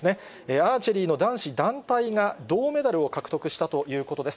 アーチェリーの男子団体が、銅メダルを獲得したということです。